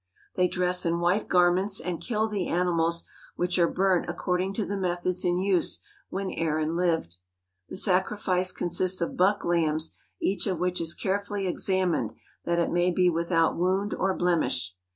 They dress in white garments and kill the animals which are burnt according to the methods in use when Aaron lived. The sacrifice consists of buck lambs each of which is carefully examined that it may be without wound or blemish.